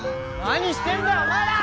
何してんだよお前ら！